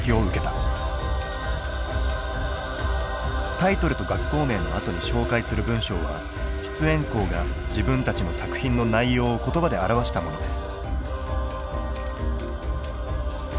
タイトルと学校名のあとに紹介する文章は出演校が自分たちの作品の内容を言葉で表したものです。